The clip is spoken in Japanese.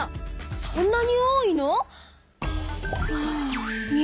そんなに多いの？